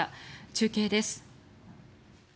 中継です。